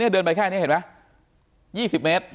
เดินไปแค่นี้เห็นไหม๒๐เมตร